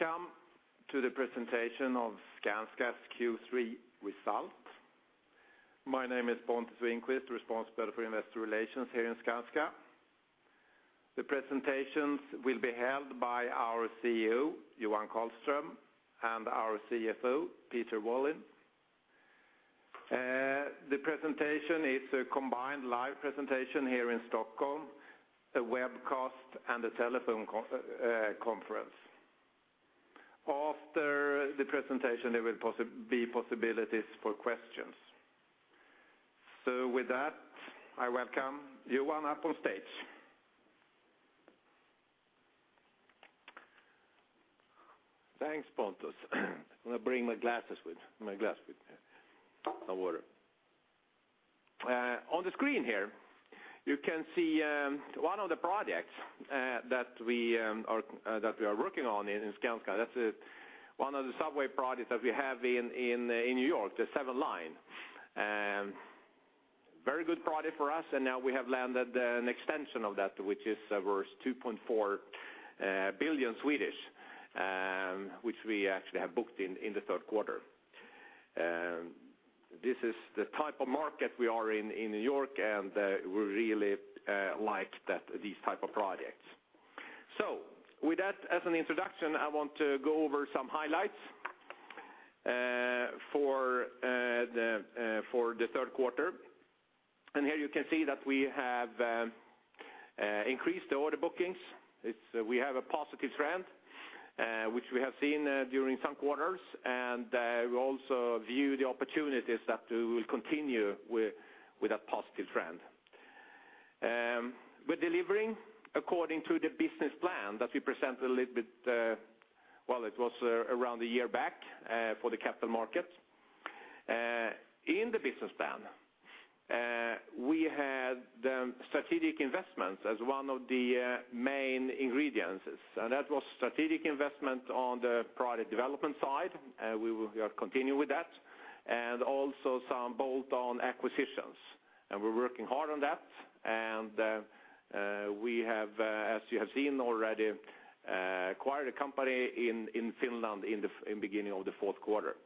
Welcome to the presentation of Skanska's Q3 Result. My name is Pontus Winqvist, responsible for investor relations here in Skanska. The presentations will be held by our CEO, Johan Karlström, and our CFO, Peter Wallin. The presentation is a combined live presentation here in Stockholm, a webcast, and a telephone conference. After the presentation, there will be possibilities for questions. So with that, I welcome Johan up on stage. Thanks, Pontus. I'm gonna bring my glasses with, my glass with me. No water. On the screen here, you can see, one of the projects, that we are working on in Skanska. That's, one of the subway projects that we have in New York, the 7 Line. Very good project for us, and now we have landed, an extension of that, which is worth 2.4 billion, which we actually have booked in the third quarter. This is the type of market we are in New York, and, we really like that—these type of projects. So with that as an introduction, I want to go over some highlights, for the third quarter. And here you can see that we have increased the order bookings. It's we have a positive trend which we have seen during some quarters, and we also view the opportunities that we will continue with that positive trend. We're delivering according to the business plan that we presented a little bit. Well, it was around a year back for the capital markets. In the business plan we had strategic investments as one of the main ingredients, and that was strategic investment on the product development side, we will continue with that, and also some bolt-on acquisitions, and we're working hard on that. And we have, as you have seen already, acquired a company in Finland in the beginning of the fourth quarter.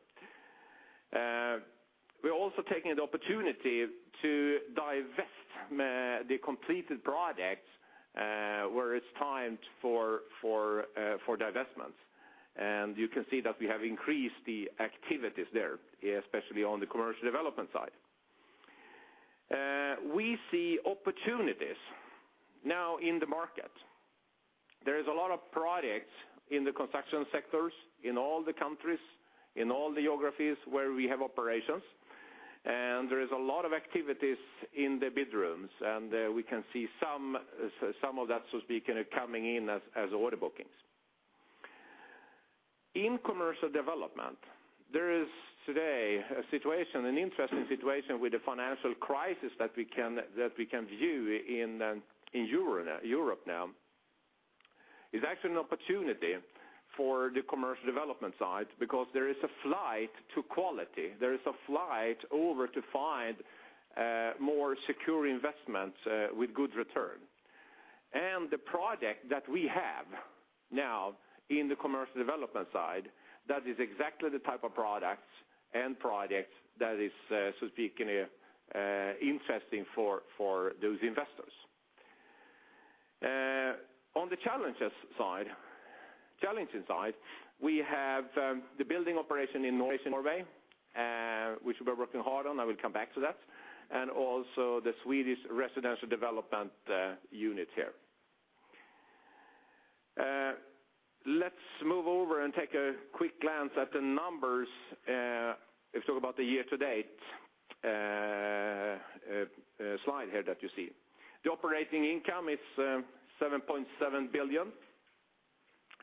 We're also taking the opportunity to divest the completed projects, where it's time for divestments. You can see that we have increased the activities there, especially on the commercial development side. We see opportunities now in the market. There is a lot of projects in the construction sectors, in all the countries, in all the geographies where we have operations, and there is a lot of activities in the bid rooms, and we can see some of that are coming in as order bookings. In commercial development, there is today a situation, an interesting situation with the financial crisis that we can view in Europe now. It's actually an opportunity for the commercial development side because there is a flight to quality. There is a flight over to find more secure investments with good return. And the project that we have now in the commercial development side, that is exactly the type of products and projects that is so to speak interesting for those investors. On the challenging side, we have the building operation in Norway, which we're working hard on, I will come back to that, and also the Swedish residential development unit here. Let's move over and take a quick glance at the numbers, if we talk about the year-to-date, slide here that you see. The operating income is 7.7 billion,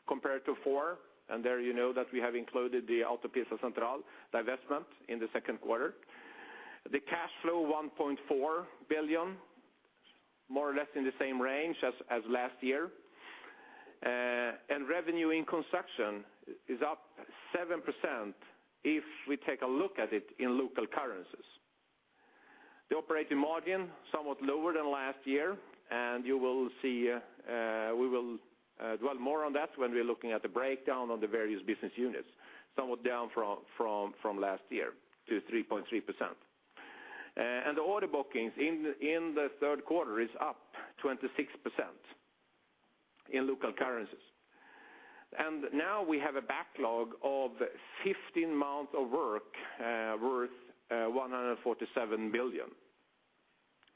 compared to 4 billion, and there you know that we have included the Autopista Central divestment in the second quarter. The cash flow, 1.4 billion, more or less in the same range as last year. And revenue in construction is up 7% if we take a look at it in local currencies. The operating margin, somewhat lower than last year, and you will see, we will dwell more on that when we're looking at the breakdown of the various business units, somewhat down from last year to 3.3%. And the order bookings in the third quarter is up 26% in local currencies. And now we have a backlog of 15 months of work, worth 147 billion.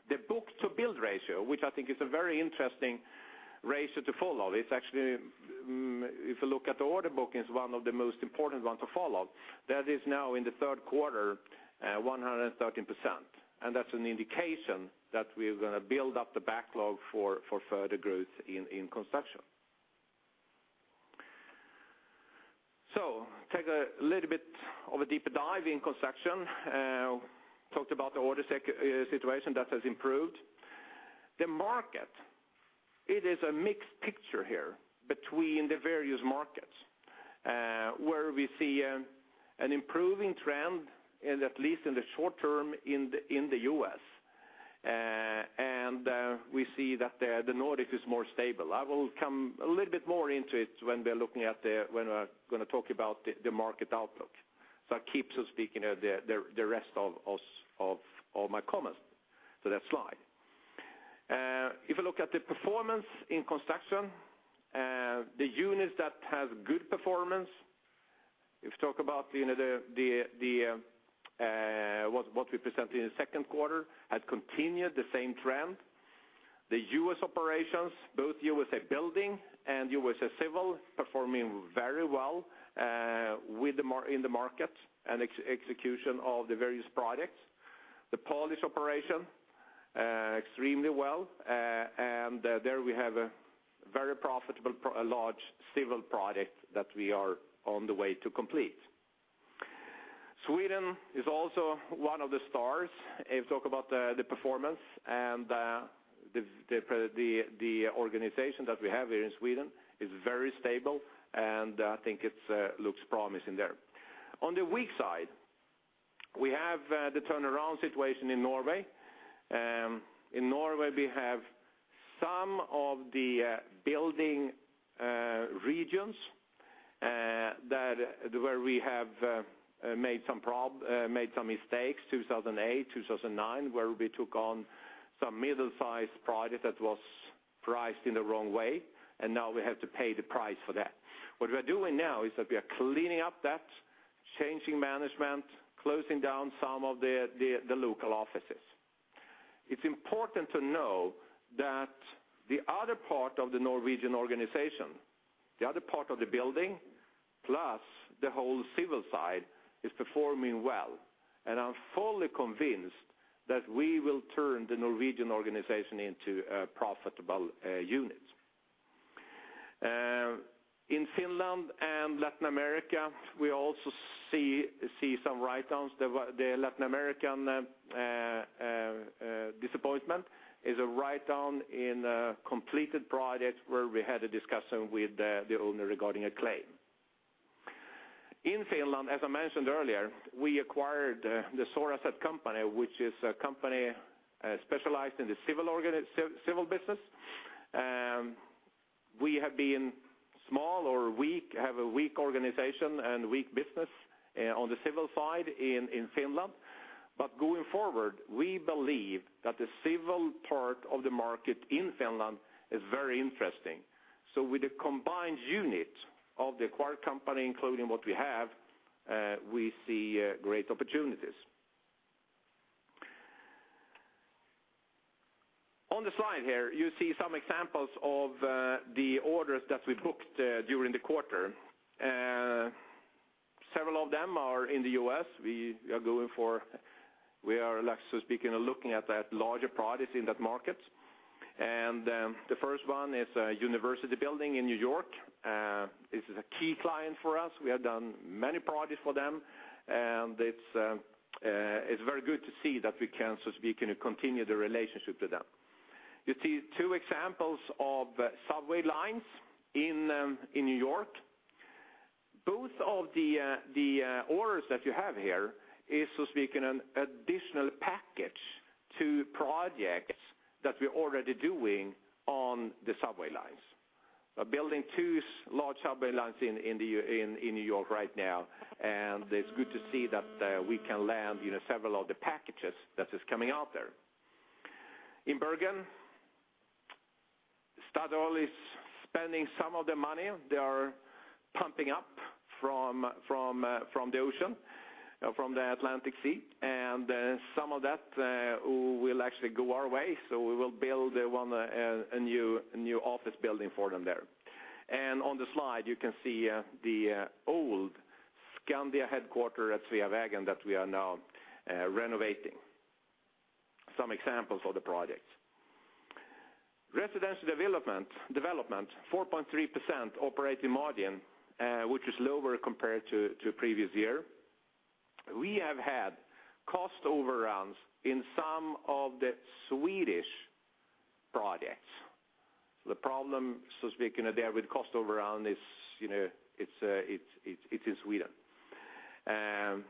The book-to-bill ratio, which I think is a very interesting ratio to follow, it's actually, if you look at the order bookings, one of the most important one to follow, that is now in the third quarter, 113%, and that's an indication that we're gonna build up the backlog for further growth in construction. So take a little bit of a deeper dive in construction. Talked about the order situation, that has improved. The market, it is a mixed picture here between the various markets, where we see an improving trend, in at least the short term, in the U.S. And we see that the Nordic is more stable. I will come a little bit more into it when we're gonna talk about the market outlook. So speaking of the rest of my comments to that slide. If you look at the performance in construction, the units that have good performance, if you talk about, you know, what we presented in the second quarter, had continued the same trend. The U.S. operations, both U.S.A. Building and U.S.A. Civil, performing very well, in the market and execution of the various projects. The Polish operation, extremely well, and there we have a very profitable a large civil project that we are on the way to complete. Sweden is also one of the stars, if you talk about the performance, and the organization that we have here in Sweden is very stable, and I think it looks promising there. On the weak side, we have the turnaround situation in Norway. In Norway, we have some of the building regions that where we have made some mistakes, 2008, 2009, where we took on some middle-sized project that was priced in the wrong way, and now we have to pay the price for that. What we're doing now is that we are cleaning up that, changing management, closing down some of the local offices. It's important to know that the other part of the Norwegian organization, the other part of the building, plus the whole civil side, is performing well. I'm fully convinced that we will turn the Norwegian organization into a profitable unit. In Finland and Latin America, we also see some write-downs. The Latin American disappointment is a write-down in a completed project where we had a discussion with the owner regarding a claim. In Finland, as I mentioned earlier, we acquired the Soraset company, which is a company specialized in the civil business. We have been small or weak, have a weak organization and weak business on the civil side in Finland. But going forward, we believe that the civil part of the market in Finland is very interesting. With the combined unit of the acquired company, including what we have, we see great opportunities. On the slide here, you see some examples of the orders that we booked during the quarter. Several of them are in the U.S. We are, so speaking, looking at that larger products in that market. The first one is a university building in New York. This is a key client for us. We have done many projects for them, and it's very good to see that we can, so speaking, continue the relationship with them. You see two examples of subway lines in New York. Both of the orders that you have here is, so speaking, an additional package to projects that we're already doing on the subway lines. We're building two large subway lines in New York right now, and it's good to see that we can land, you know, several of the packages that is coming out there. In Bergen, Statoil is spending some of their money. They are pumping up from the ocean, from the Atlantic Sea, and some of that will actually go our way, so we will build a new office building for them there. And on the slide, you can see the old Skandia headquarters at Sveavägen that we are now renovating. Some examples of the projects. Residential development, development, 4.3% operating margin, which is lower compared to previous year. We have had cost overruns in some of the Swedish projects. The problem, so speaking, there with cost overrun is, you know, it's in Sweden. And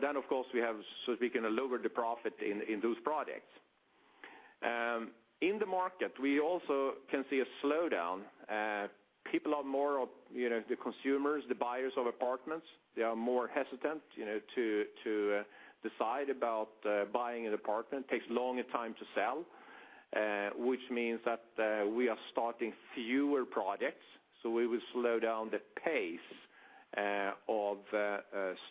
then, of course, we have, so speaking, lowered the profit in those projects. In the market, we also can see a slowdown. People are more of, you know, the consumers, the buyers of apartments, they are more hesitant, you know, to decide about buying an apartment. Takes longer time to sell, which means that we are starting fewer projects, so we will slow down the pace of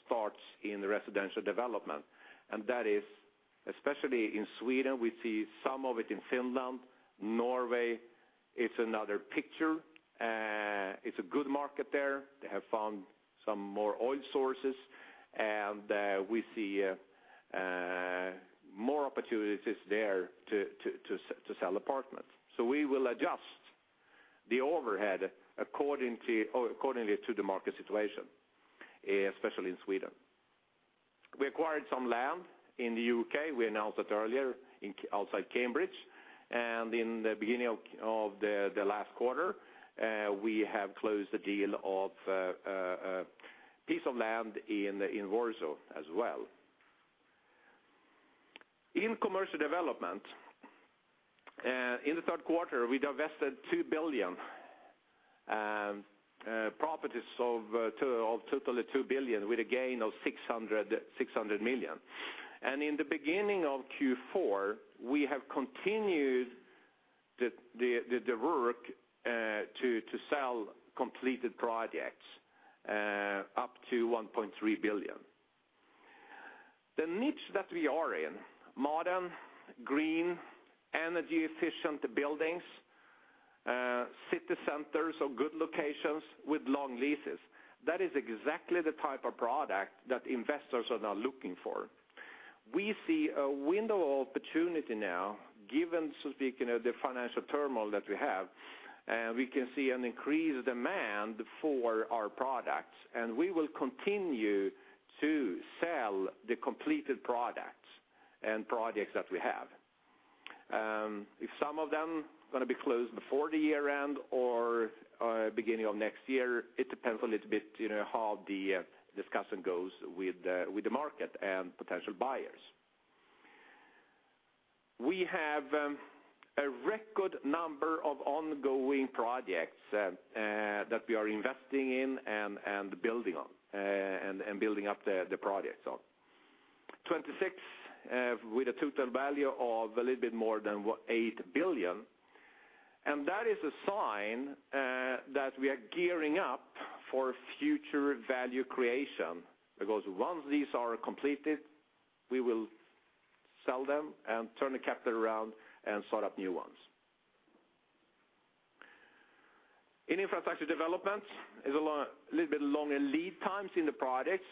starts in the residential development. And that is especially in Sweden. We see some of it in Finland. Norway, it's another picture. It's a good market there. They have found some more oil sources, and we see more opportunities there to sell apartments. So we will adjust the overhead according to accordingly to the market situation, especially in Sweden. We acquired some land in the U.K., we announced it earlier, outside Cambridge. In the beginning of the last quarter, we have closed the deal of a piece of land in Warsaw as well. In commercial development, in the third quarter, we divested properties of totally 2 billion, with a gain of 600 million. In the beginning of Q4, we have continued the work to sell completed projects up to 1.3 billion. The niche that we are in, modern, green, energy efficient buildings, city centers or good locations with long leases, that is exactly the type of product that investors are now looking for. We see a window of opportunity now, given, so speaking, of the financial turmoil that we have, we can see an increased demand for our products, and we will continue to sell the completed products and projects that we have. If some of them going to be closed before the year end or, beginning of next year, it depends a little bit, you know, how the discussion goes with, with the market and potential buyers. We have, a record number of ongoing projects, that we are investing in and building on, and building up the, the projects on. 26, with a total value of a little bit more than, what, 8 billion. That is a sign that we are gearing up for future value creation, because once these are completed, we will sell them and turn the capital around and start up new ones. In infrastructure development, is a long, a little bit longer lead times in the projects.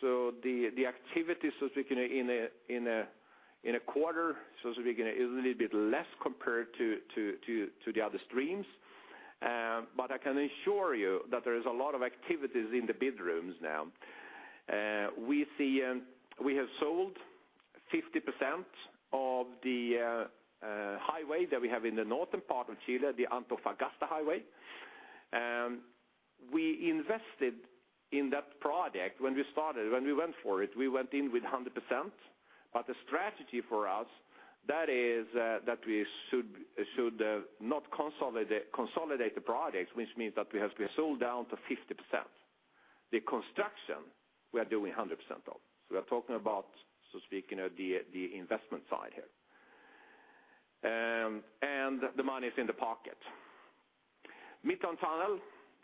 The activities, so speaking, in a quarter, so speaking, is a little bit less compared to the other streams. But I can assure you that there is a lot of activities in the bid rooms now. We see we have sold 50% of the highway that we have in the northern part of Chile, the Antofagasta Highway. We invested in that project when we started, when we went for it, we went in with 100%. But the strategy for us, that is, that we should not consolidate the projects, which means that we have to be sold down to 50%. The construction, we are doing 100% of. So we are talking about, so speaking, of the investment side here. And the money is in the pocket. Midtown Tunnel,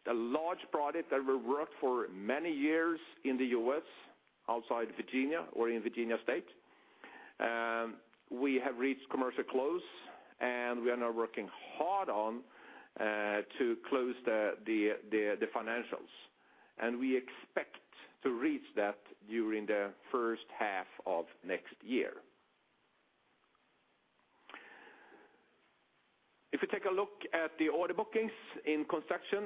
a large project that we worked for many years in the U.S., outside Virginia or in Virginia State. We have reached commercial close, and we are now working hard on to close the financials. And we expect to reach that during the first half of next year. If you take a look at the order bookings in construction,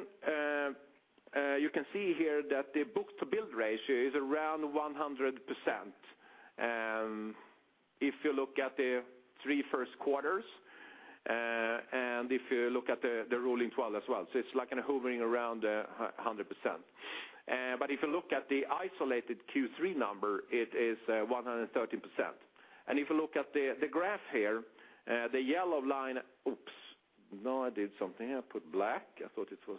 you can see here that the book-to-bill ratio is around 100%. If you look at the three first quarters, and if you look at the rolling twelve as well. So it's like kind of hovering around 100%. But if you look at the isolated Q3 number, it is 113%. And if you look at the graph here, the yellow line... Oops, now I did something. I put black. I thought it was-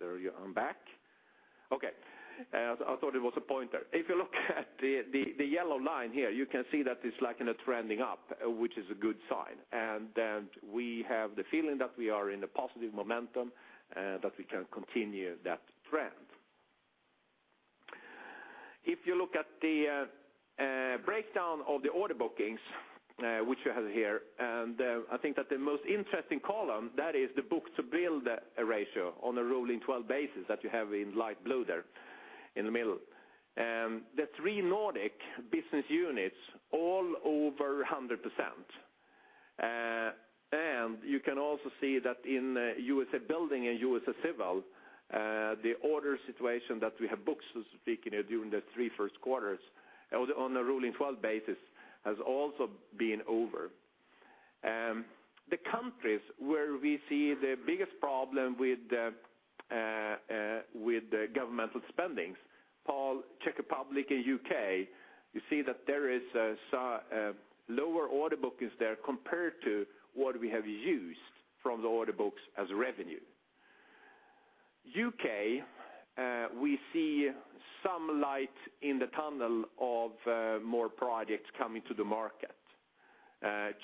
There you, I'm back. Okay. I thought it was a pointer. If you look at the yellow line here, you can see that it's like in a trending up, which is a good sign. And we have the feeling that we are in a positive momentum that we can continue that trend. If you look at the breakdown of the order bookings, which you have here, and I think that the most interesting column, that is the book-to-bill ratio on a rolling twelve basis that you have in light blue there in the middle. The three Nordic business units, all over 100%. And you can also see that in U.S.A. Building and U.S.A. Civil, the order situation that we have booked, so speaking, during the three first quarters, on a rolling twelve basis, has also been over. The countries where we see the biggest problem with the governmental spendings, Poland, Czech Republic, and U.K., you see that there is so lower order bookings there compared to what we have used from the order books as revenue. U.K., we see some light in the tunnel of, more projects coming to the market.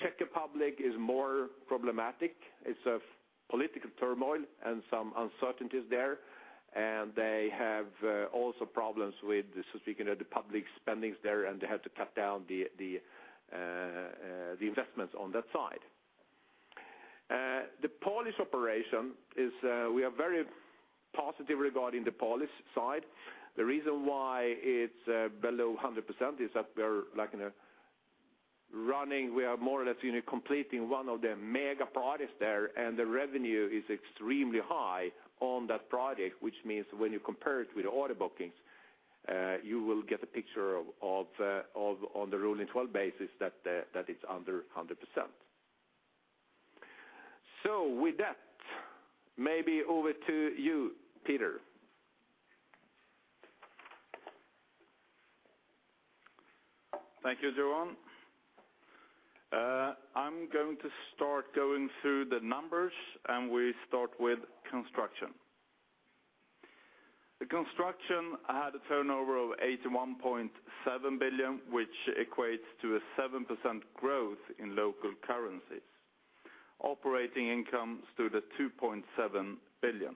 Czech Republic is more problematic. It's a political turmoil and some uncertainties there. And they have, also problems with, so speaking, of the public spendings there, and they have to cut down the, the, the investments on that side. The Polish operation is, we are very positive regarding the Polish side. The reason why it's, below 100% is that we're like in running, we are more or less, you know, completing one of the mega projects there, and the revenue is extremely high on that project, which means when you compare it with order bookings, you will get a picture of, of, of, on the rolling twelve basis that the, that it's under 100%. With that, maybe over to you, Peter. Thank you, Johan. I'm going to start going through the numbers, and we start with construction. The construction had a turnover of 81.7 billion, which equates to a 7% growth in local currencies. Operating income stood at 2.7 billion.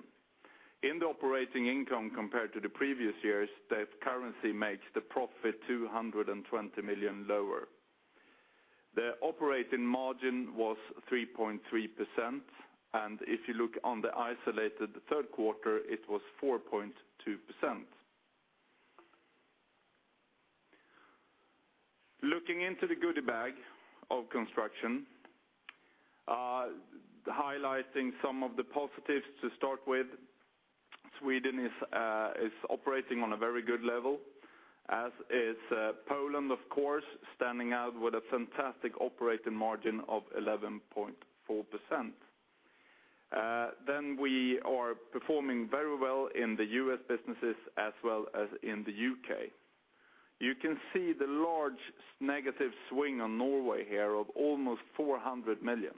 In the operating income compared to the previous years, the currency makes the profit 220 million lower. The operating margin was 3.3%, and if you look on the isolated third quarter, it was 4.2%. Looking into the goodie bag of construction, highlighting some of the positives to start with, Sweden is operating on a very good level, as is Poland, of course, standing out with a fantastic operating margin of 11.4%. Then we are performing very well in the U.S. businesses as well as in the U.K. You can see the large negative swing on Norway here of almost 400 million.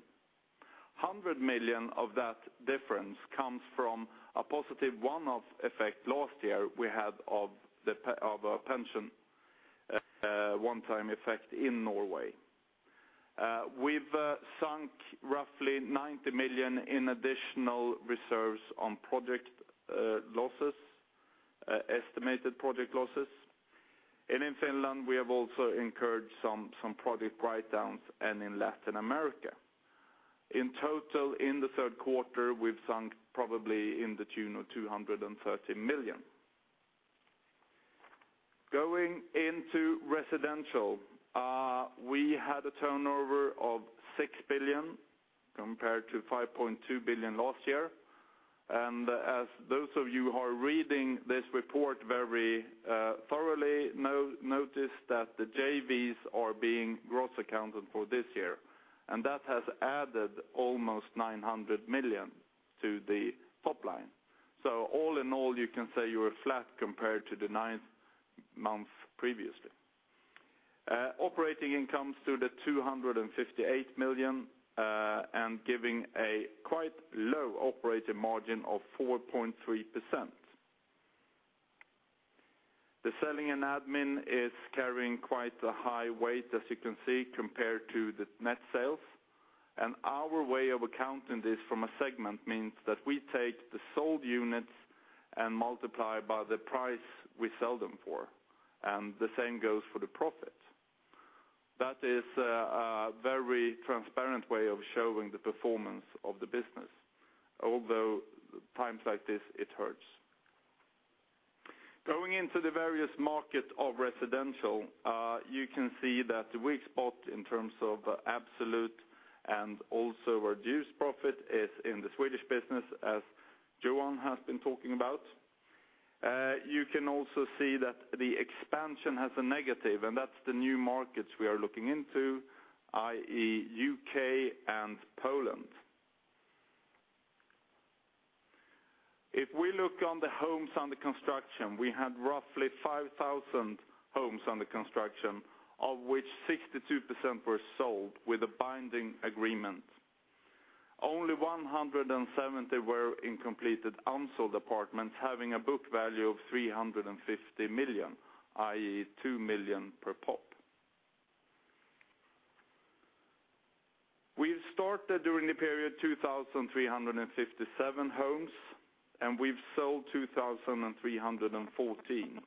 100 million of that difference comes from a positive one-off effect last year we had of a pension one-time effect in Norway. We've sunk roughly 90 million in additional reserves on project losses, estimated project losses. And in Finland, we have also incurred some project write-downs, and in Latin America. In total, in the third quarter, we've sunk probably in the tune of 230 million. Going into residential, we had a turnover of 6 billion, compared to 5.2 billion last year. And as those of you who are reading this report very thoroughly, notice that the JVs are being gross accounted for this year, and that has added almost 900 million to the top line. So all in all, you can say you were flat compared to the ninth month previously. Operating income stood at 258 million, and giving a quite low operating margin of 4.3%. The selling and admin is carrying quite a high weight, as you can see, compared to the net sales. And our way of accounting this from a segment means that we take the sold units and multiply by the price we sell them for, and the same goes for the profit. That is, a very transparent way of showing the performance of the business, although times like this, it hurts. Going into the various market of residential, you can see that the weak spot in terms of absolute and also reduced profit is in the Swedish business, as Johan has been talking about. You can also see that the expansion has a negative, and that's the new markets we are looking into, i.e., U.K. and Poland. If we look on the homes under construction, we had roughly 5,000 homes under construction, of which 62% were sold with a binding agreement. Only 170 were in completed unsold apartments, having a book value of 350 million, i.e., 2 million per pop. We've started, during the period, 2,357 homes, and we've sold 2,314.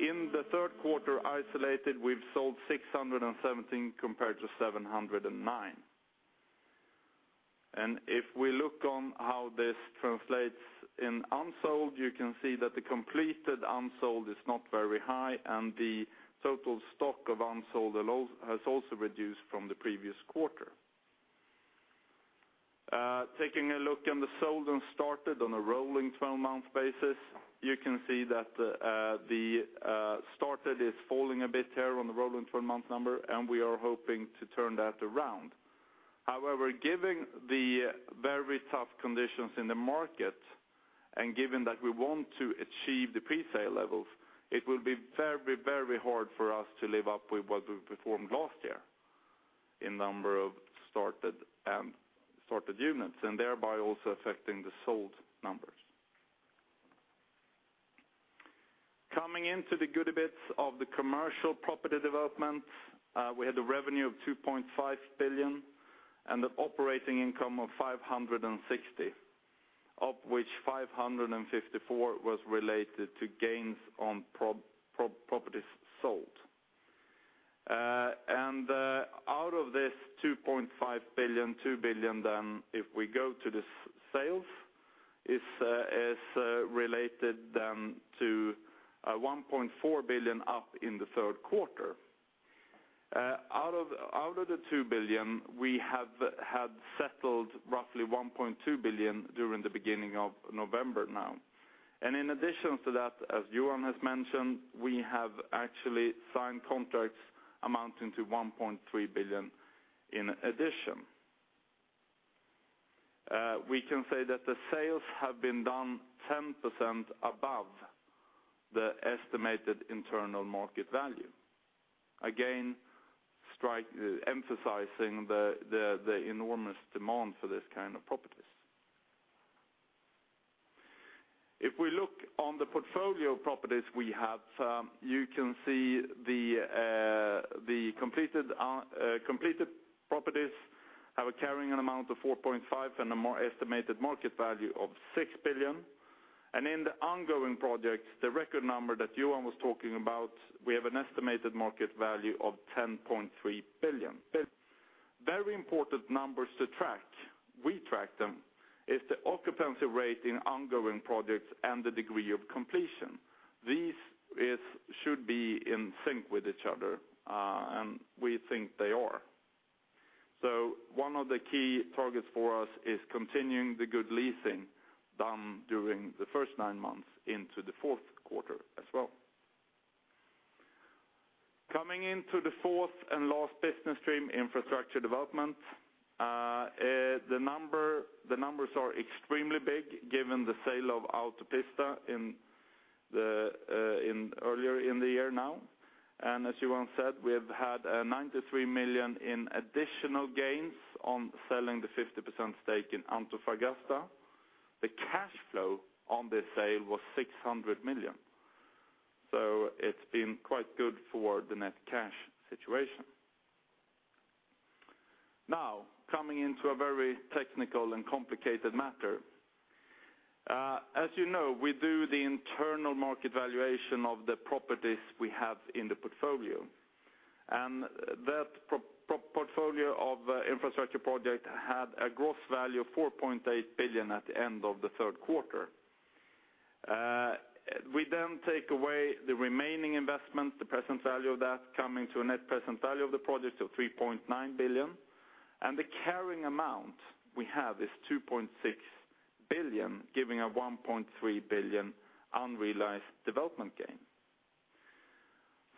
In the third quarter, isolated, we've sold 617 compared to 709. And if we look on how this translates in unsold, you can see that the completed unsold is not very high, and the total stock of unsold also, has also reduced from the previous quarter. Taking a look on the sold and started on a rolling twelve-month basis, you can see that the started is falling a bit here on the rolling twelve-month number, and we are hoping to turn that around. However, given the very tough conditions in the market, and given that we want to achieve the pre-sale levels, it will be very, very hard for us to live up to what we've performed last year in number of started and sold units, and thereby also affecting the sold numbers. Coming into the juicy bits of the commercial property development, we had a revenue of 2.5 billion and an operating income of 560 million, of which 554 million was related to gains on properties sold. And out of this 2.5 billion, 2 billion, then if we go to the sales is related then to 1.4 billion up in the third quarter. Out of the 2 billion, we have had settled roughly 1.2 billion during the beginning of November now. And in addition to that, as Johan has mentioned, we have actually signed contracts amounting to 1.3 billion in addition. We can say that the sales have been done 10% above the estimated internal market value. Again, strike emphasizing the enormous demand for this kind of properties. If we look on the portfolio properties we have, you can see the completed properties have a carrying amount of 4.5 billion and a more estimated market value of 6 billion. And in the ongoing projects, the record number that Johan was talking about, we have an estimated market value of 10.3 billion. Very important numbers to track. We track them, is the occupancy rate in ongoing projects and the degree of completion. These should be in sync with each other, and we think they are. So one of the key targets for us is continuing the good leasing done during the first nine months into the fourth quarter as well. Coming into the fourth and last business stream, infrastructure development, the number, the numbers are extremely big, given the sale of Autopista in the, in earlier in the year now. And as Johan said, we have had a 93 million in additional gains on selling the 50% stake in Antofagasta. The cash flow on this sale was 600 million. So it's been quite good for the net cash situation. Now, coming into a very technical and complicated matter. As you know, we do the internal market valuation of the properties we have in the portfolio. And that portfolio of infrastructure project had a gross value of 4.8 billion at the end of the third quarter. We then take away the remaining investment, the present value of that, coming to a net present value of the project of 3.9 billion. And the carrying amount we have is 2.6 billion, giving a 1.3 billion unrealized development gain.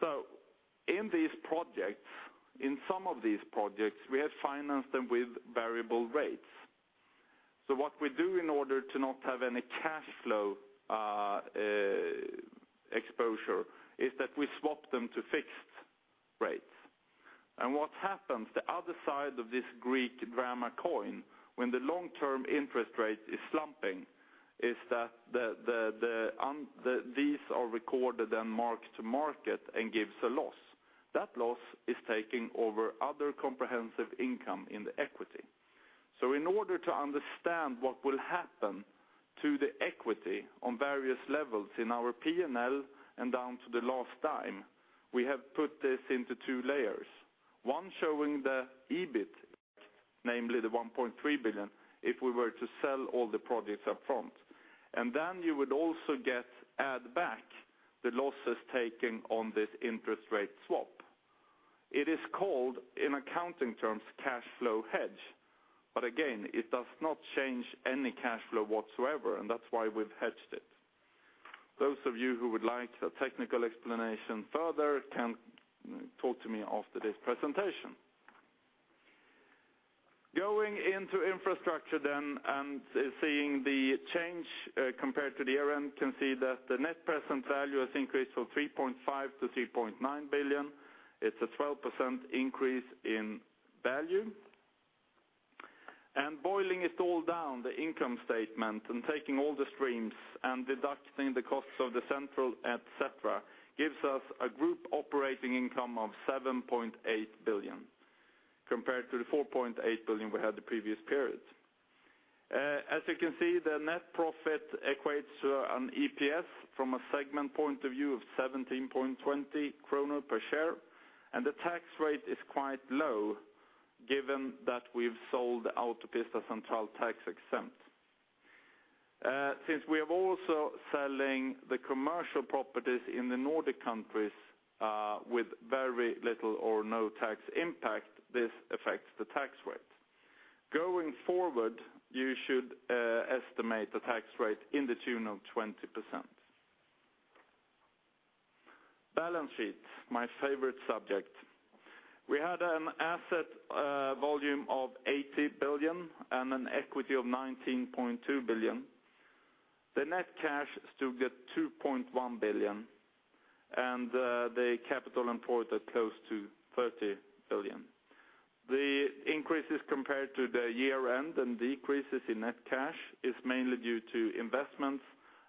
So in these projects, in some of these projects, we have financed them with variable rates. So what we do in order to not have any cash flow exposure is that we swap them to fixed rates. And what happens, the other side of this Greek drama coin, when the long-term interest rate is slumping, is that these are recorded and marked to market and gives a loss. That loss is taking over other comprehensive income in the equity. So in order to understand what will happen to the equity on various levels in our P&L and down to the last time, we have put this into two layers. One showing the EBIT, namely 1.3 billion, if we were to sell all the projects up front. And then you would also get add back the losses taken on this interest rate swap. It is called, in accounting terms, cash flow hedge, but again, it does not change any cash flow whatsoever, and that's why we've hedged it. Those of you who would like a technical explanation further, can talk to me after this presentation. Going into infrastructure then, and seeing the change, compared to the year-end, you can see that the net present value has increased from 3.5 billion-3.9 billion. It's a 12% increase in value. And boiling it all down, the income statement, and taking all the streams and deducting the costs of the central, et cetera, gives us a group operating income of 7.8 billion, compared to the 4.8 billion we had the previous period. As you can see, the net profit equates to an EPS from a segment point of view of 17.20 kronor per share, and the tax rate is quite low, given that we've sold Autopista Central tax-exempt. Since we are also selling the commercial properties in the Nordic countries, with very little or no tax impact, this affects the tax rate. Going forward, you should estimate the tax rate in the tune of 20%. Balance sheet, my favorite subject. We had an asset volume of 80 billion and an equity of 19.2 billion. The net cash stood at 2.1 billion, and the capital employed at close to 30 billion. The increases compared to the year-end and decreases in net cash is mainly due to investments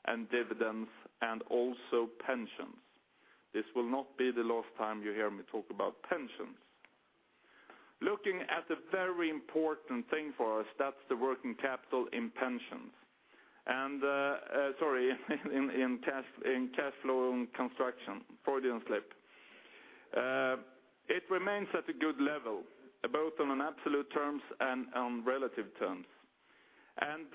and dividends and also pensions. This will not be the last time you hear me talk about pensions. Looking at the very important thing for us, that's the working capital in pensions. And cash flow and construction, forward and slip. It remains at a good level, both on an absolute terms and on relative terms. And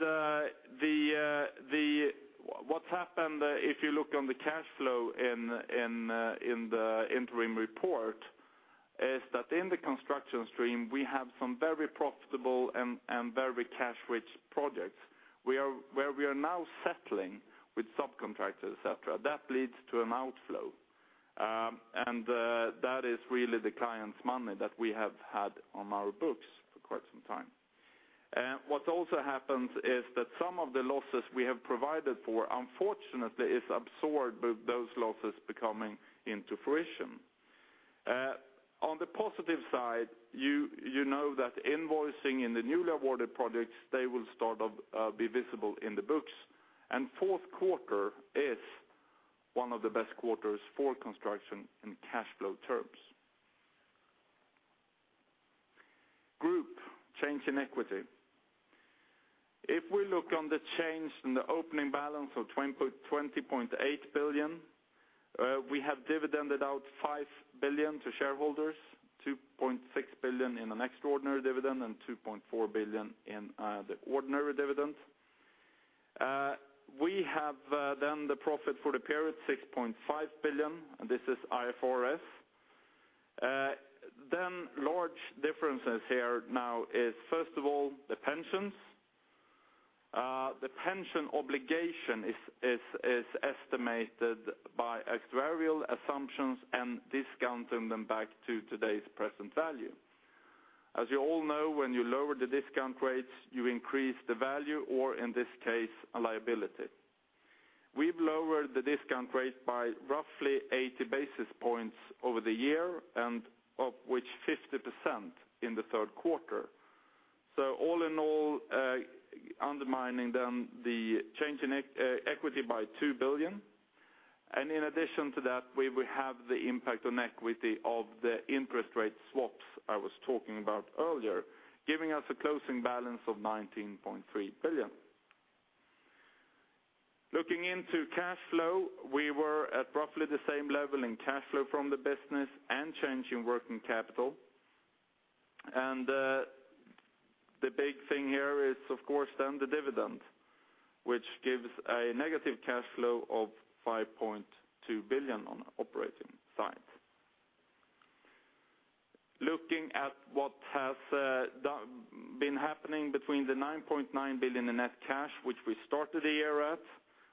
what's happened, if you look on the cash flow in the interim report, is that in the construction stream, we have some very profitable and very cash-rich projects. We are where we are now settling with subcontractors, et cetera, that leads to an outflow. And that is really the client's money that we have had on our books for quite some time. And what also happens is that some of the losses we have provided for, unfortunately, is absorbed with those losses becoming into fruition. On the positive side, you know that invoicing in the newly awarded projects, they will start off be visible in the books, and fourth quarter is one of the best quarters for construction in cash flow terms. Group change in equity. If we look on the change in the opening balance of 20.8 billion, we have dividended out 5 billion to shareholders, 2.6 billion in an extraordinary dividend, and 2.4 billion in the ordinary dividend. We have then the profit for the period, 6.5 billion, and this is IFRS. Then large differences here now is, first of all, the pensions. The pension obligation is estimated by actuarial assumptions and discounting them back to today's present value. As you all know, when you lower the discount rates, you increase the value, or in this case, a liability. We've lowered the discount rate by roughly 80 basis points over the year, and of which 50% in the third quarter. So all in all, undermining then the change in equity by 2 billion. And in addition to that, we will have the impact on equity of the interest rate swaps I was talking about earlier, giving us a closing balance of 19.3 billion. Looking into cash flow, we were at roughly the same level in cash flow from the business and change in working capital. And, the big thing here is, of course, then the dividend, which gives a negative cash flow of 5.2 billion on operating side. Looking at what has been happening between the 9.9 billion in net cash, which we started the year at,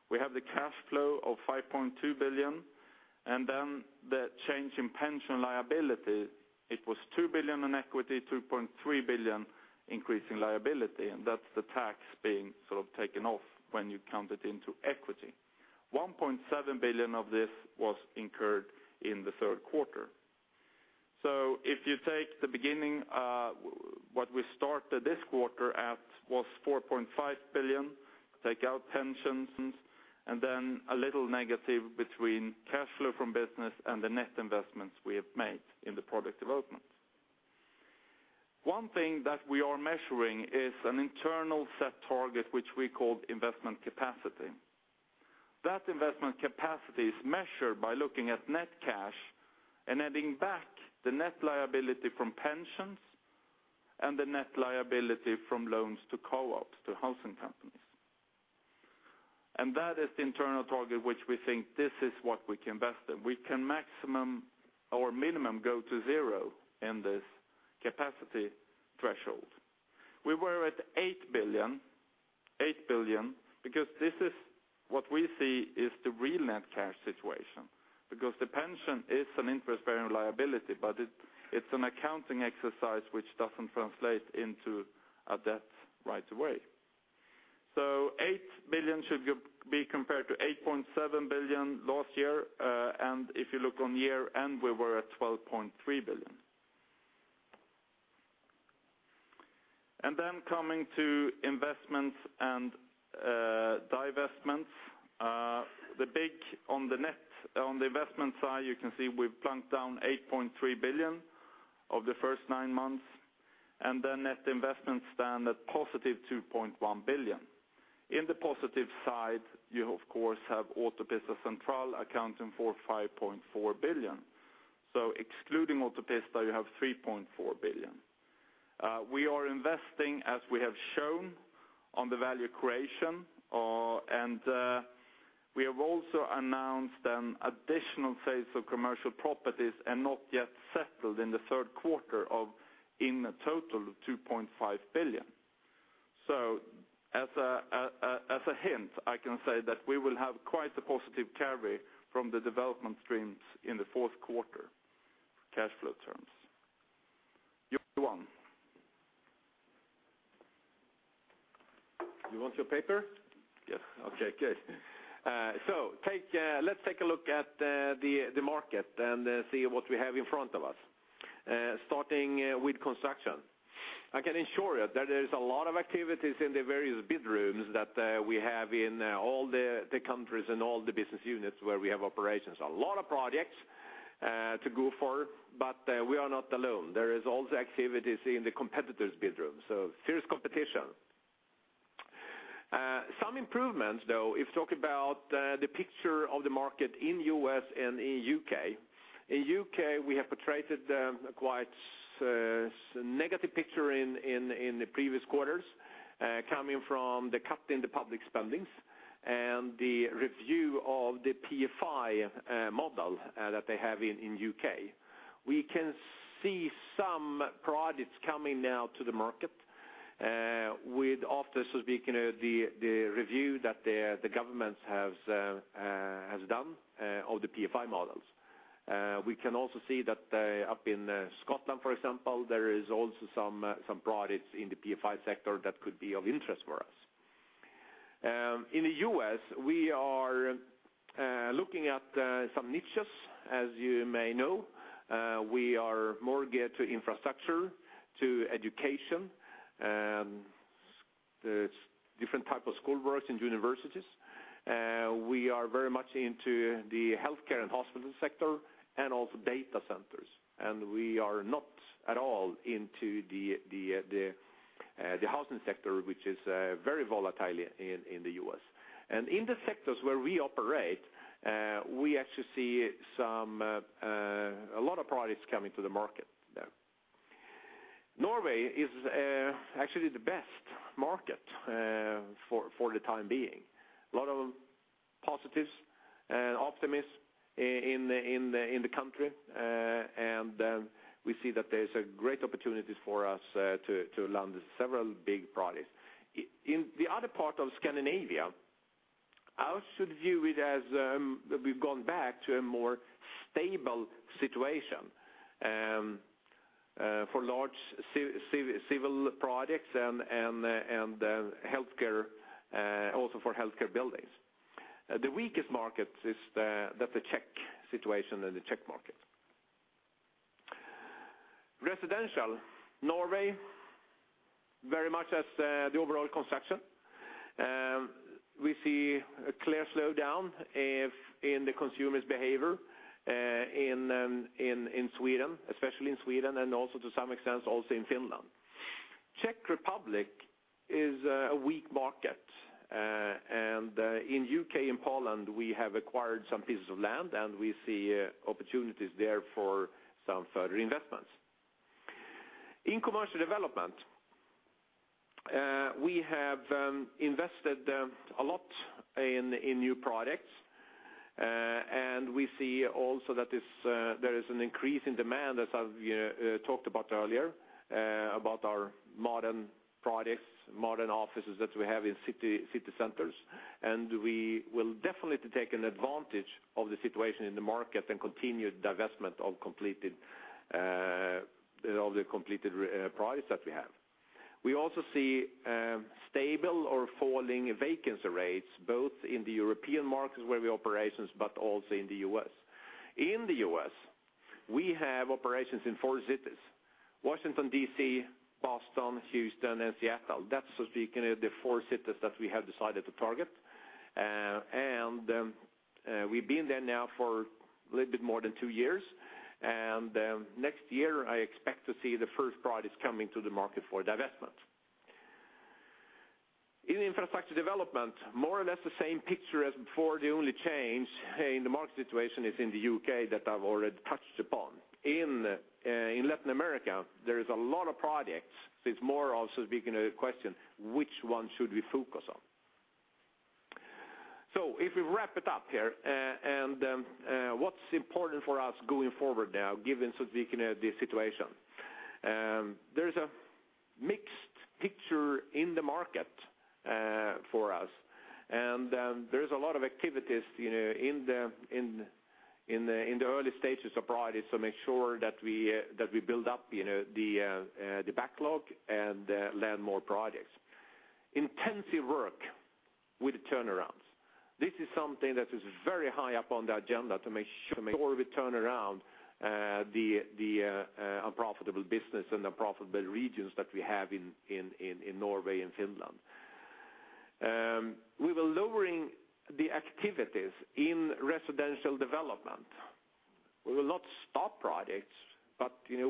we have the cash flow of 5.2 billion, and then the change in pension liability, it was 2 billion in equity, 2.3 billion increase in liability, and that's the tax being sort of taken off when you count it into equity. 1.7 billion of this was incurred in the third quarter. So if you take the beginning, what we started this quarter at was 4.5 billion, take out pensions, and then a little negative between cash flow from business and the net investments we have made in the product development. One thing that we are measuring is an internal set target, which we call investment capacity. That investment capacity is measured by looking at net cash and adding back the net liability from pensions and the net liability from loans to co-ops, to housing companies. And that is the internal target, which we think this is what we can invest in. We can maximum or minimum go to zero in this capacity threshold. We were at 8 billion, 8 billion, because this is what we see is the real net cash situation, because the pension is an interest-bearing liability, but it, it's an accounting exercise which doesn't translate into a debt right away. So 8 billion should be compared to 8.7 billion last year, and if you look on year-end, we were at 12.3 billion. Coming to investments and, divestments, the big one on the investment side, you can see we've plunked down 8.3 billion of the first nine months, and the net investments stand at positive 2.1 billion. In the positive side, you of course, have Autopista Central accounting for 5.4 billion. So excluding Autopista, you have 3.4 billion. We are investing, as we have shown, on the value creation, and, we have also announced an additional sales of commercial properties and not yet settled in the third quarter in a total of 2.5 billion. So as a hint, I can say that we will have quite a positive carry from the development streams in the fourth quarter, cash flow terms. Johan. You want your paper? Yes. Okay, good. So let's take a look at the market and see what we have in front of us, starting with construction. I can ensure you that there is a lot of activities in the various bid rooms that we have in all the countries and all the business units where we have operations. A lot of projects to go for, but we are not alone. There is also activities in the competitors' bid rooms, so fierce competition. Some improvements, though, if you talk about the picture of the market in U.S. and in U.K. In U.K., we have portrayed a quite negative picture in the previous quarters, coming from the cut in the public spending and the review of the PFI model that they have in U.K. We can see some projects coming now to the market, with after so speaking the review that the governments have has done of the PFI models. We can also see that up in Scotland, for example, there is also some projects in the PFI sector that could be of interest for us. In the U.S., we are looking at some niches. As you may know, we are more get to infrastructure, to education, different type of school works and universities. We are very much into the healthcare and hospital sector and also data centers, and we are not at all into the housing sector, which is very volatile in the U.S. And in the sectors where we operate, we actually see some a lot of projects coming to the market there. Norway is actually the best market for the time being. A lot of positives and optimists in the country, and we see that there's a great opportunity for us to land several big projects. In the other part of Scandinavia, I should view it as, we've gone back to a more stable situation, for large civil projects and healthcare, also for healthcare buildings. The weakest market is the Czech situation and the Czech market. Residential, Norway, very much as the overall construction. We see a clear slowdown in the consumer's behavior in Sweden, especially in Sweden, and also to some extent in Finland. Czech Republic is a weak market, and in U.K. and Poland, we have acquired some pieces of land, and we see opportunities there for some further investments. In commercial development, we have invested a lot in new products, and we see also that there is an increase in demand, as I've talked about earlier, about our modern products, modern offices that we have in city centers. We will definitely take advantage of the situation in the market and continue the divestment of the completed projects that we have. We also see stable or falling vacancy rates, both in the European markets where we have operations, but also in the U.S. In the U.S., we have operations in four cities: Washington, D.C., Boston, Houston, and Seattle. That's, so to speak, the four cities that we have decided to target. We've been there now for a little bit more than two years, and next year, I expect to see the first projects coming to the market for divestment. In infrastructure development, more or less the same picture as before, the only change in the market situation is in the U.K., that I've already touched upon. In Latin America, there is a lot of projects. It's more also speaking a question, which one should we focus on? So if we wrap it up here, what's important for us going forward now, given, so speaking, the situation? There's a mixed picture in the market for us, and there's a lot of activities, you know, in the early stages of projects, so make sure that we build up, you know, the backlog and land more projects. Intensive work with the turnarounds. This is something that is very high up on the agenda to make sure we turn around the unprofitable business and unprofitable regions that we have in Norway and Finland. We were lowering the activities in residential development. We will not stop projects, but, you know,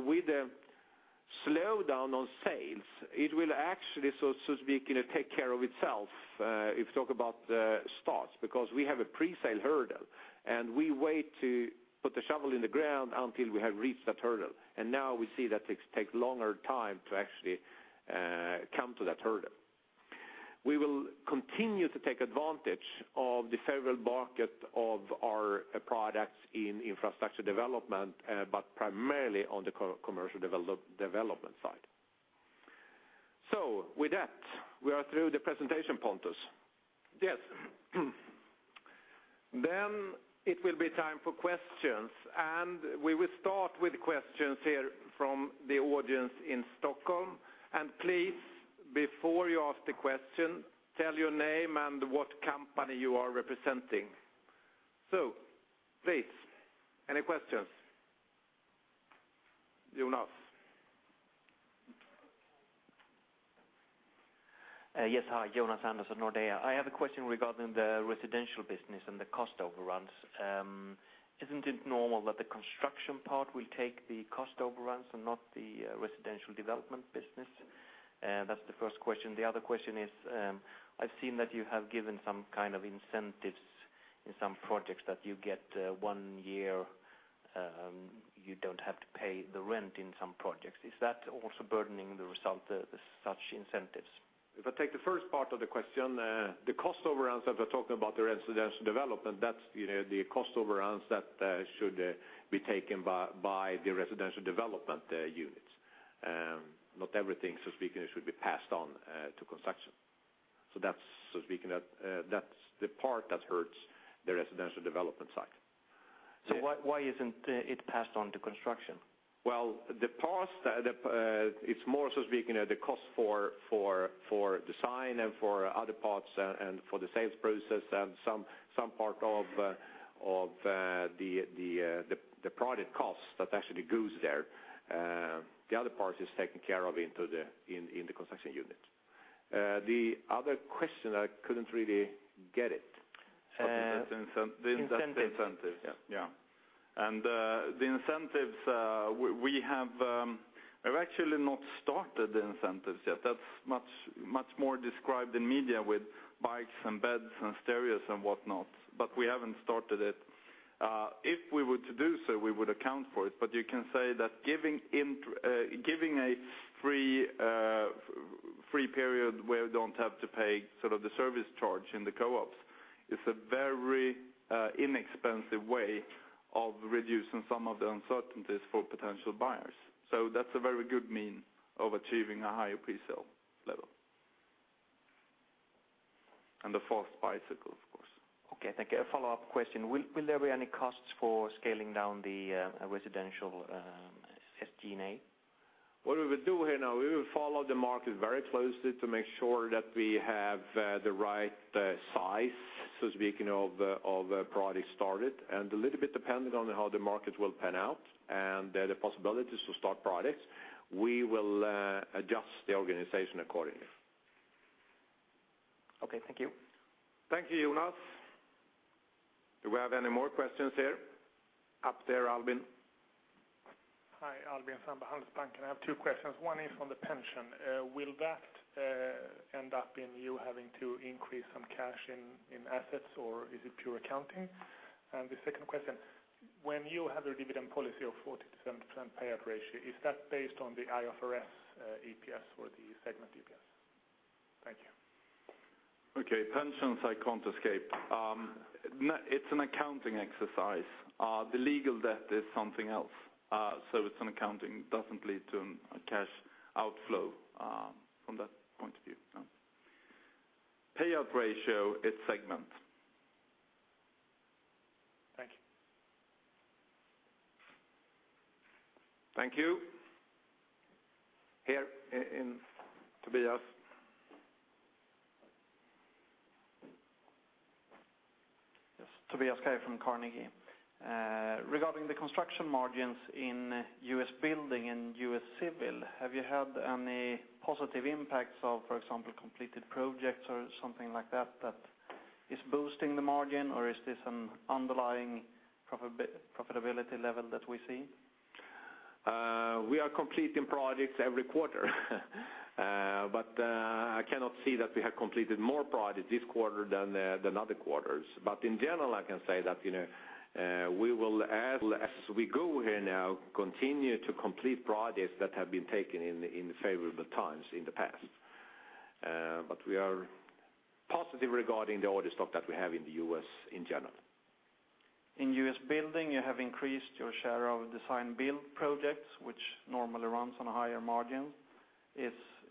with a slowdown on sales, it will actually, so to speak, take care of itself, if you talk about the starts, because we have a pre-sale hurdle, and we wait to put the shovel in the ground until we have reached that hurdle. And now we see that it's take longer time to actually come to that hurdle. We will continue to take advantage of the favorable market of our products in infrastructure development, but primarily on the commercial development side. So with that, we are through the presentation, Pontus. Yes. Then it will be time for questions, and we will start with questions here from the audience in Stockholm. Please, before you ask the question, tell your name and what company you are representing. Please, any questions? Jonas? Yes, hi, Jonas Andersson, Nordea. I have a question regarding the residential business and the cost overruns. Isn't it normal that the construction part will take the cost overruns and not the, residential development business? And that's the first question. The other question is, I've seen that you have given some kind of incentives in some projects that you get, one year, you don't have to pay the rent in some projects. Is that also burdening the result, such incentives? If I take the first part of the question, the cost overruns that we're talking about, the residential development, that's, you know, the cost overruns that should be taken by, by the residential development units. Not everything, so speaking, should be passed on to construction. So that's, so speaking, that, that's the part that hurts the residential development side. Why, why isn't it passed on to construction? Well, the cost, it's more, so speaking, the cost for design and for other parts, and for the sales process, and some part of the product cost that actually goes there. The other part is taken care of in the construction unit. The other question, I couldn't really get it. Incentives. The incentives, Yeah. The incentives, we've actually not started the incentives yet. That's much more described in media with bikes, and beds, and stereos, and whatnot, but we haven't started it. If we were to do so, we would account for it, but you can say that giving a free period where you don't have to pay sort of the service charge in the co-ops is a very inexpensive way of reducing some of the uncertainties for potential buyers. So that's a very good means of achieving a higher pre-sale level. And the fourth bicycle, of course. Okay, thank you. A follow-up question: Will, will there be any costs for scaling down the residential SG&A? What we will do here now, we will follow the market very closely to make sure that we have the right size, so to speak, of projects started. A little bit dependent on how the market will pan out, and the possibilities to start products, we will adjust the organization accordingly. Okay. Thank you. Thank you, Jonas. Do we have any more questions here? Up there, Alvin. Hi, Alvin from Handelsbanken. I have two questions. One is on the pension. Will that end up in you having to increase some cash in, in assets, or is it pure accounting? And the second question, when you have a dividend policy of 40%-70% payout ratio, is that based on the IFRS EPS or the segment EPS? Thank you. Okay. Pensions, I can't escape. No, it's an accounting exercise. The legal debt is something else. So it's an accounting, doesn't lead to a cash outflow, from that point of view, no. Payout ratio, it's segment. Thank you. Thank you. Here in Tobias. Yes, Tobias Kaj from Carnegie. Regarding the construction margins in U.S. building and U.S. civil, have you had any positive impacts of, for example, completed projects or something like that, that is boosting the margin, or is this an underlying profitability level that we see? We are completing projects every quarter. But, I cannot see that we have completed more projects this quarter than other quarters. But in general, I can say that, you know, we will, as we go here now, continue to complete projects that have been taken in the favorable times in the past. But we are positive regarding the order stock that we have in the U.S. in general. In U.S. Building, you have increased your share of design build projects, which normally runs on a higher margin.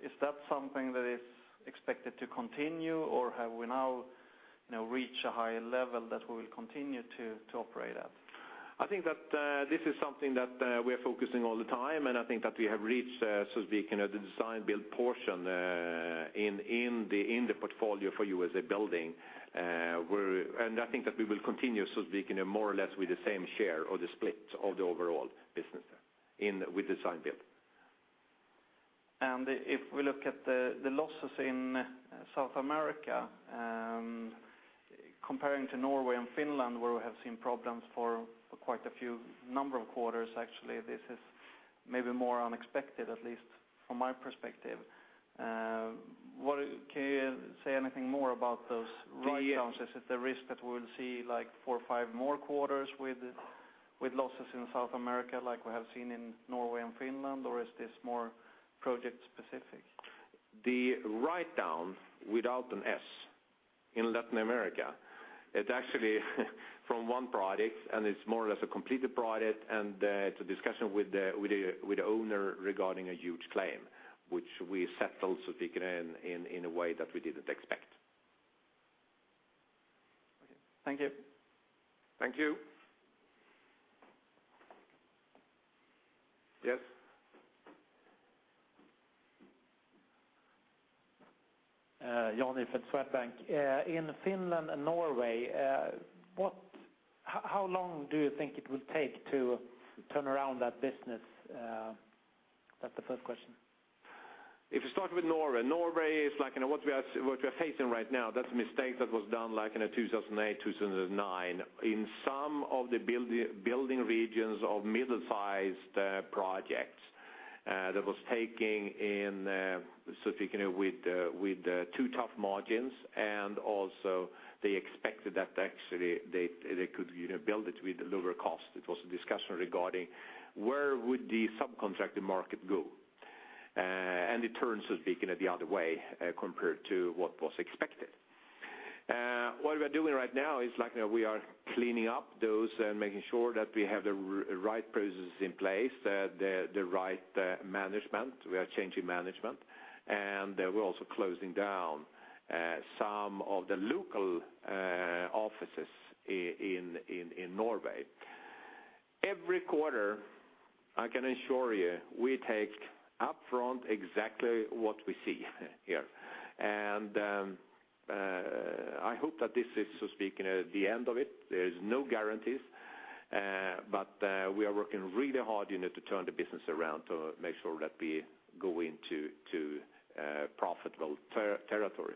Is that something that is expected to continue, or have we now, you know, reached a higher level that we will continue to operate at? I think that this is something that we are focusing all the time, and I think that we have reached, so speaking, the design build portion in the portfolio for U.S. Building. And I think that we will continue, so speaking, more or less with the same share or the split of the overall business there in with design build. If we look at the losses in South America, comparing to Norway and Finland, where we have seen problems for quite a few number of quarters, actually, this is maybe more unexpected, at least from my perspective. What can you say anything more about those write-downs? Is it the risk that we'll see like four or five more quarters with losses in South America like we have seen in Norway and Finland, or is this more project specific? The write-down, without an S, in Latin America, it actually from one project, and it's more or less a completed project, and it's a discussion with the owner regarding a huge claim, which we settled, so speaking in a way that we didn't expect. Okay. Thank you. Thank you. Yes? Johnny from Swedbank. In Finland and Norway, how long do you think it will take to turn around that business? That's the first question. If you start with Norway, Norway is like, you know, what we are facing right now, that's a mistake that was done, like in 2008, 2009. In some of the building regions of middle-sized projects that was taking in, so speaking with two tough margins, and also they expected that actually they could, you know, build it with lower cost. It was a discussion regarding where would the subcontracting market go? And it turns, so speaking, the other way compared to what was expected. What we're doing right now is, like, we are cleaning up those and making sure that we have the right processes in place, the right management. We are changing management, and we're also closing down some of the local offices in Norway. Every quarter, I can assure you, we take upfront exactly what we see here. I hope that this is, so speaking, the end of it. There is no guarantees, but we are working really hard, you know, to turn the business around, to make sure that we go into profitable territory.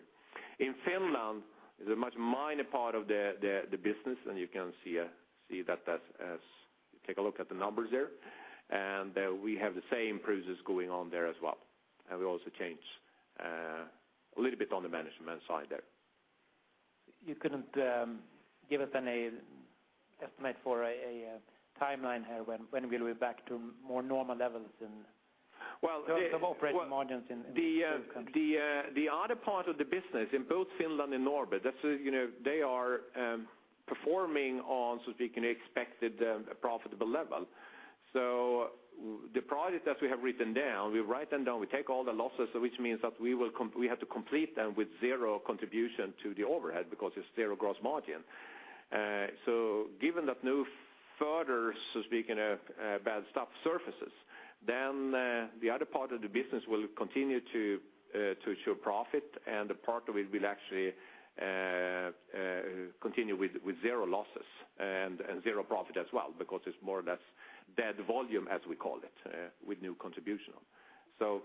In Finland, it's a much minor part of the business, and you can see that. Take a look at the numbers there. We have the same process going on there as well, and we also change a little bit on the management side there. You couldn't give us a timeline here, when will we be back to more normal levels in- Well- terms of operating margins in those countries? The other part of the business, in both Finland and Norway, that's, you know, they are performing on, so speaking, expected profitable level. So the project that we have written down, we write them down, we take all the losses, so which means that we will—we have to complete them with zero contribution to the overhead, because it's zero gross margin. So given that no further, so speaking, bad stuff surfaces, then the other part of the business will continue to show profit, and a part of it will actually continue with zero losses, and zero profit as well, because it's more or less dead volume, as we call it, with no contribution. So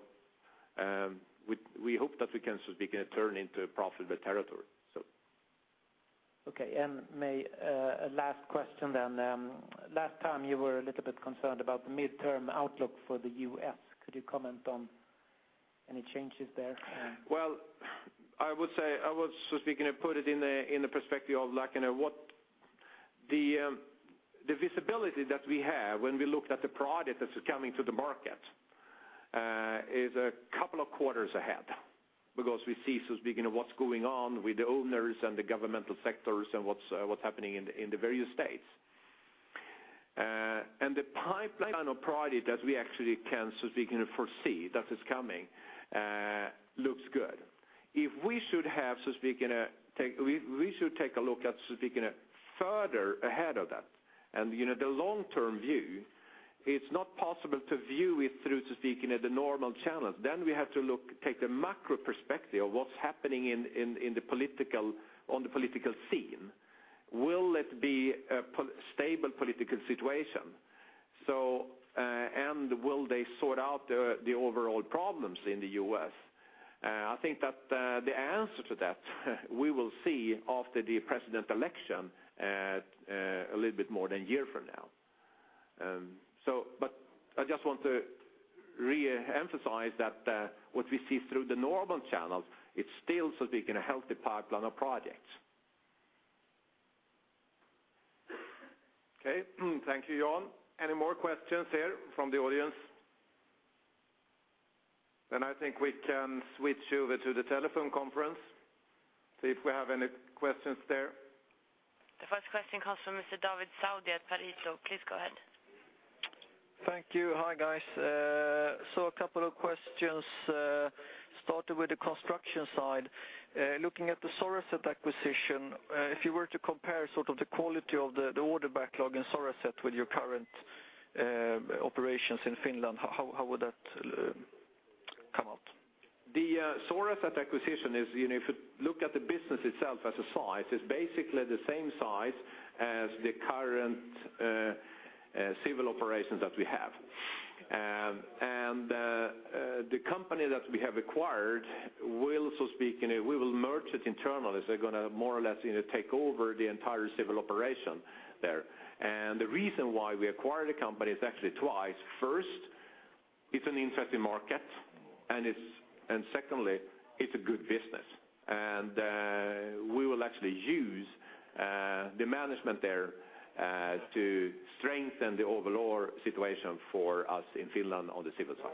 we hope that we can, so speaking, turn into profitable territory, so. Okay, and may a last question then. Last time you were a little bit concerned about the midterm outlook for the U.S. Could you comment on any changes there? Well, I would say, I would, so speaking, put it in a, in a perspective of, like, you know, what the, the visibility that we have when we looked at the product that is coming to the market, is a couple of quarters ahead. Because we see, so speaking, what's going on with the owners and the governmental sectors and what's, what's happening in the, in the various states. And the pipeline of project that we actually can, so speaking, foresee that is coming, looks good. If we should have, so speaking, a take- we, we should take a look at, so speaking, further ahead of that, and, you know, the long-term view, it's not possible to view it through, so speaking, the normal channels. Then we have to look, take the macro perspective of what's happening in the political scene. Will it be a stable political situation? Will they sort out the overall problems in the U.S.? I think that the answer to that, we will see after the president election a little bit more than a year from now. But I just want to re-emphasize that what we see through the normal channels, it's still, so to speak, a healthy pipeline of projects. Okay. Thank you, Jan. Any more questions here from the audience? Then I think we can switch over to the telephone conference, see if we have any questions there. The first question comes from Mr. David Zaudy at Pareto. Please go ahead. Thank you. Hi, guys. So a couple of questions, starting with the construction side. Looking at the Soraset acquisition, if you were to compare sort of the quality of the order backlog in Soraset with your current operations in Finland, how would that come out? The Soraset acquisition is, you know, if you look at the business itself as a size, it's basically the same size as the current civil operations that we have. The company that we have acquired will, so speaking, we will merge it internally. They're gonna more or less, you know, take over the entire civil operation there. And the reason why we acquired the company is actually twice. First, it's an interesting market, and secondly, it's a good business. We will actually use the management there to strengthen the overall situation for us in Finland on the civil side.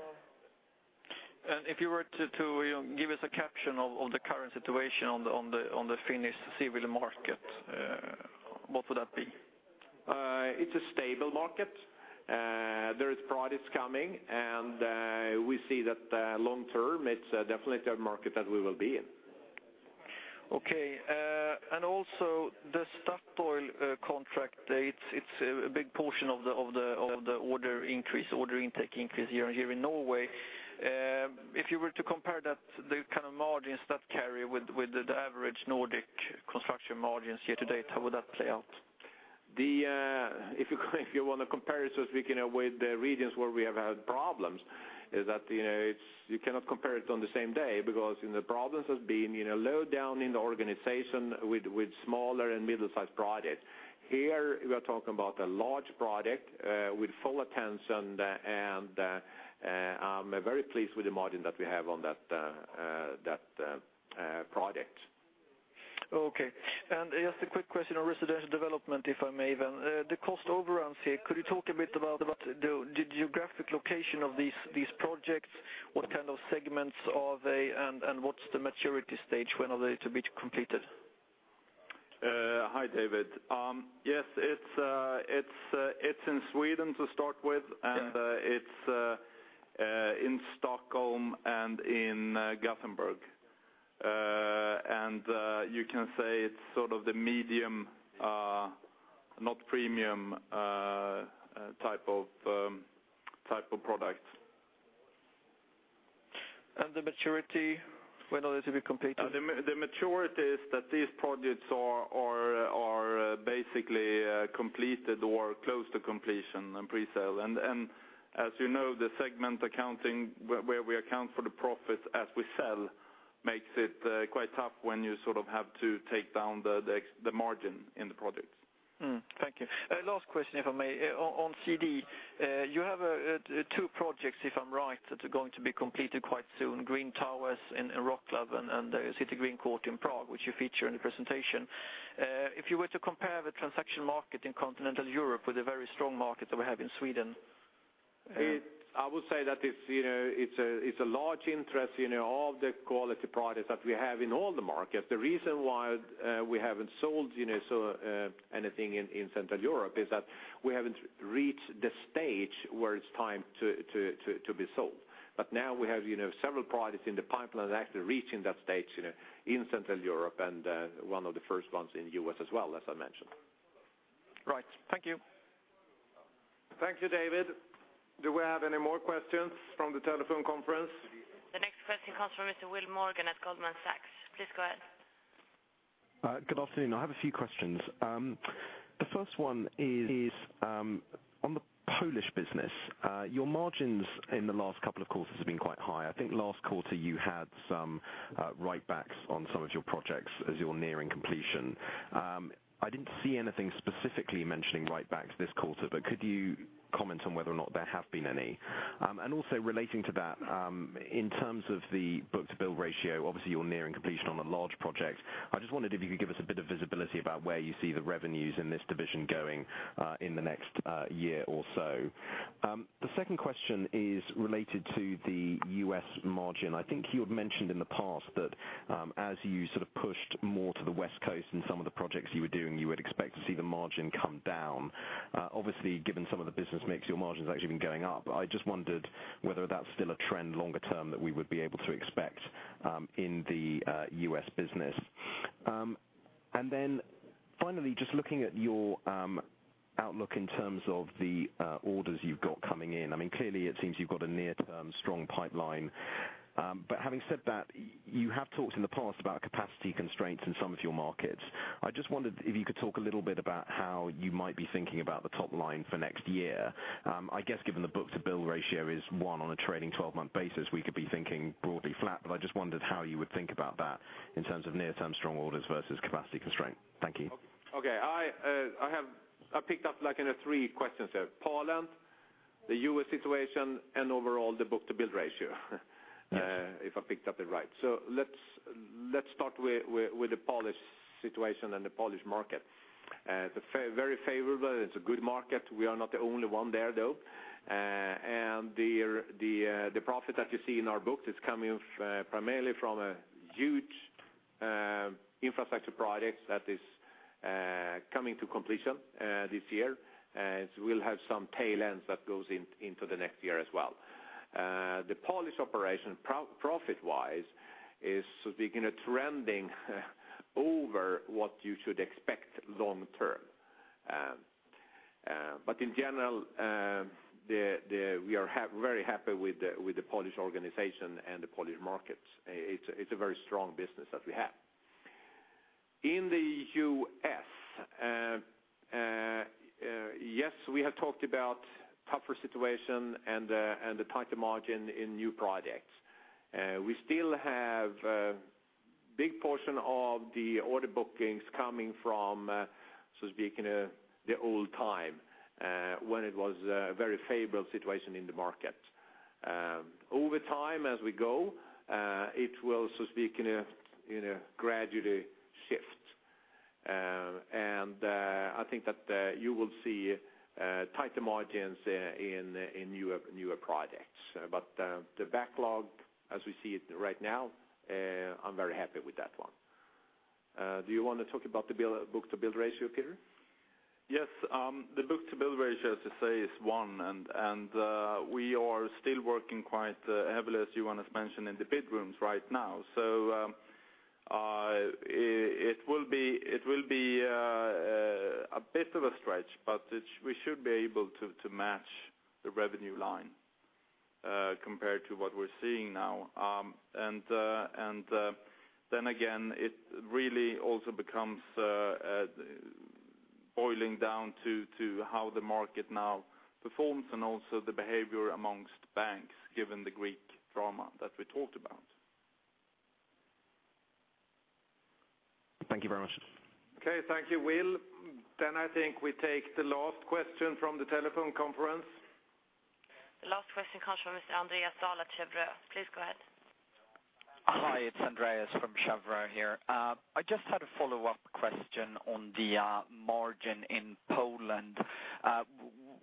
If you were to, you know, give us a caption on the Finnish civil market, what would that be? It's a stable market. There is projects coming, and we see that long term, it's definitely a market that we will be in. Okay, and also the Statoil contract, it's a big portion of the order increase, order intake increase here in Norway. If you were to compare that, the kind of margins that carry with the average Nordic construction margins year-to-date, how would that play out? If you want to compare it, so speaking with the regions where we have had problems, is that, you know, it's you cannot compare it on the same day because, you know, the problems has been, you know, low down in the organization with smaller and middle-sized projects. Here, we are talking about a large project with full attention, and I'm very pleased with the margin that we have on that project. Okay. And just a quick question on residential development, if I may, then. The cost overruns here, could you talk a bit about the geographic location of these projects? What kind of segments are they, and what's the maturity stage? When are they to be completed? Hi, David. Yes, it's in Sweden, to start with. Yeah. It's in Stockholm and in Gothenburg. You can say it's sort of the medium, not premium, type of product. The maturity, when are they to be completed? The maturity is that these projects are basically completed or close to completion and pre-sale. As you know, the segment accounting, where we account for the profits as we sell, makes it quite tough when you sort of have to take down the margin in the projects. Thank you. Last question, if I may. On CD, you have two projects, if I'm right, that are going to be completed quite soon, Green Towers in Wrocław and the City Green Court in Prague, which you feature in the presentation. If you were to compare the transaction market in Continental Europe with the very strong market that we have in Sweden, I would say that it's, you know, it's a large interest, you know, all the quality products that we have in all the markets. The reason why we haven't sold, you know, so anything in Central Europe is that we haven't reached the stage where it's time to be sold. But now we have, you know, several products in the pipeline actually reaching that stage, you know, in Central Europe and one of the first ones in the U.S. as well, as I mentioned. Right. Thank you. Thank you, David. Do we have any more questions from the telephone conference? The next question comes from Mr. Will Morgan at Goldman Sachs. Please go ahead. Good afternoon. I have a few questions. The first one is on the Polish business. Your margins in the last couple of quarters have been quite high. I think last quarter you had some write-backs on some of your projects as you're nearing completion. I didn't see anything specifically mentioning write-backs this quarter, but could you comment on whether or not there have been any? And also relating to that, in terms of the book-to-bill ratio, obviously, you're nearing completion on a large project. I just wondered if you could give us a bit of visibility about where you see the revenues in this division going in the next year or so. The second question is related to the U.S. margin. I think you had mentioned in the past that, as you sort of pushed more to the West Coast in some of the projects you were doing, you would expect to see the margin come down. Obviously, given some of the business mix, your margin's actually been going up. I just wondered whether that's still a trend longer term that we would be able to expect, in the U.S. business. And then finally, just looking at your outlook in terms of the orders you've got coming in. I mean, clearly, it seems you've got a near-term strong pipeline. But having said that, you have talked in the past about capacity constraints in some of your markets. I just wondered if you could talk a little bit about how you might be thinking about the top line for next year. I guess, given the book-to-bill ratio is one on a trailing twelve-month basis, we could be thinking broadly flat. But I just wondered how you would think about that in terms of near-term strong orders versus capacity constraint. Thank you. Okay, I picked up, like, in the three questions there, Poland, the U.S. situation, and overall, the book-to-bill ratio. Yes. If I picked it up right. So let's start with the Polish situation and the Polish market. It's very favorable, it's a good market. We are not the only one there, though. And the profit that you see in our books is coming primarily from a huge infrastructure project that is coming to completion this year. So we'll have some tail ends that goes into the next year as well. The Polish operation, profit-wise, is so to speak trending over what you should expect long term. But in general, we are very happy with the Polish organization and the Polish market. It's a very strong business that we have. In the U.S., yes, we have talked about tougher situation and the tighter margin in new projects. We still have big portion of the order bookings coming from, so speaking, the old time, when it was a very favorable situation in the market. Over time, as we go, it will, so speaking, you know, gradually shift. And I think that you will see tighter margins in new, newer projects. But the backlog, as we see it right now, I'm very happy with that one. Do you want to talk about the book-to-bill ratio, Peter? Yes. The book-to-bill ratio, as to say, is one, and we are still working quite heavily, as Johan has mentioned, in the bid rooms right now. So, it will be a bit of a stretch, but we should be able to match the revenue line compared to what we're seeing now. And then again, it really also becomes boiling down to how the market now performs and also the behavior amongst banks, given the Greek drama that we talked about. Thank you very much. Okay. Thank you, Will. Then I think we take the last question from the telephone conference. The last question comes from Mr. Andreas Dahl at Cheuvreux. Please go ahead. Hi, it's Andreas from Cheuvreux here. I just had a follow-up question on the margin in Poland.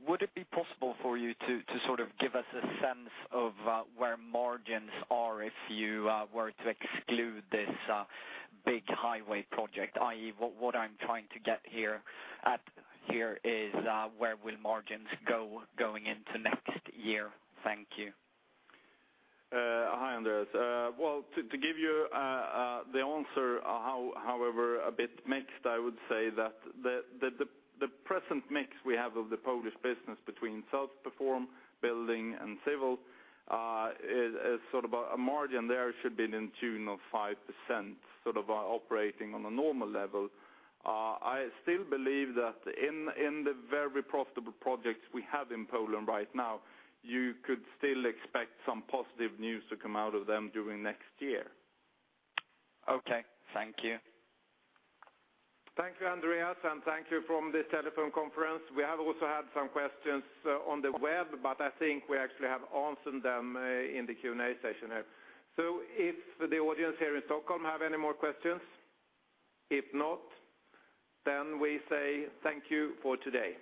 Would it be possible for you to sort of give us a sense of where margins are if you were to exclude this big highway project? i.e., what I'm trying to get here is where will margins go going into next year? Thank you. Hi, Andreas. Well, to give you the answer, however, a bit mixed, I would say that the present mix we have of the Polish business between self-perform, building, and civil is sort of a margin there should be in tune of 5%, sort of, operating on a normal level. I still believe that in the very profitable projects we have in Poland right now, you could still expect some positive news to come out of them during next year. Okay. Thank you. Thank you, Andreas, and thank you from the telephone conference. We have also had some questions, on the web, but I think we actually have answered them, in the Q&A session here. So if the audience here in Stockholm have any more questions? If not, then we say thank you for today.